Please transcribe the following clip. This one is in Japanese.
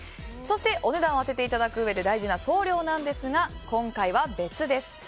そして、お値段を当てていただくうえで大事な送料ですが今回は別です。